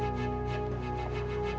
aku harus melayanginya dengan baik